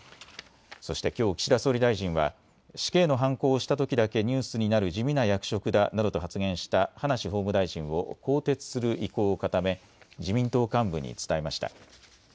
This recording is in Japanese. そして、きょう岸田総理大臣は死刑のはんこを押したときだけニュースになる地味な役職だなどと発言した葉梨法務大臣を更迭する意向を固め、自民党幹部に伝えました。